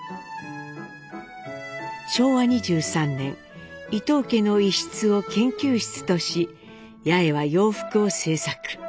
昭和２３年伊藤家の一室を研究室とし八重は洋服を制作。